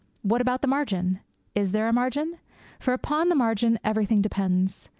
What about the margin? Is there a margin? For upon the margin everything depends.